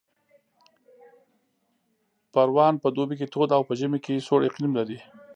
پروان په دوبي کې تود او په ژمي کې سوړ اقلیم لري